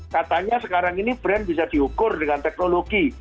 katanya sekarang ini brand bisa diukur dengan teknologi